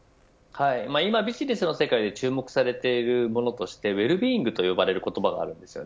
今、ビジネスの世界で注目されているものとしてウェルビーイングという言葉があります。